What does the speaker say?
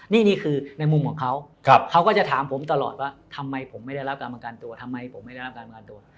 นี่คือในมุมของเขาเขาก็จะถามผมตลอดว่าทำไมผมไม่ได้รับการประกันตัว